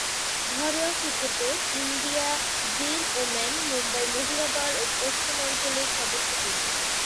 ঘরোয়া ক্রিকেটে India Green Woman, Mumbai মহিলা দল ও পশ্চিম অঞ্চলের সদস্য তিনি।